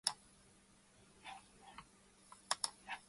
The party was for a long time allied with Peronism in elections.